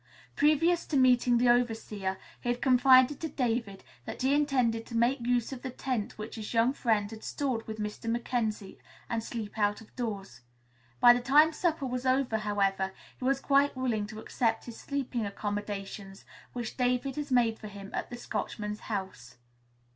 Previous to meeting the overseer, he had confided to David that he intended to make use of the tent which his young friend had stored with Mr. Mackenzie, and sleep out of doors. By the time supper was over, however, he was quite willing to accept the sleeping accommodations which David had made for him at the Scotchman's house.